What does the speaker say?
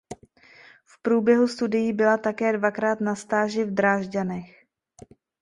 V průběhu studií byla také dvakrát na stáži v Drážďanech.